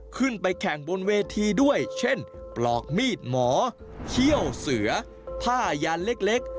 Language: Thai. ขึ้นไปแข่งบนเวทีด้วยเช่นปลอกมีดหมอเขี้ยวเสือผ้ายันเล็ก